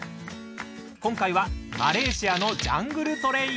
今回は、マレーシアのジャングルトレイン。